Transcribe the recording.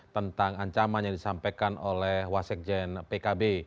tentang ancaman yang disampaikan oleh wasekjen pkb